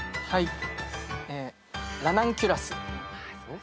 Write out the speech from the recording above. はい。